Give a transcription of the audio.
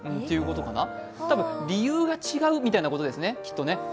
多分、理由が違うみたいなことですね、きっとね。